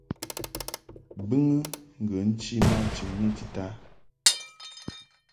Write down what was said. Bɨŋɨ ŋgə nchi ma chɨŋni tita.